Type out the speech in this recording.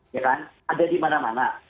ya kan ada di mana mana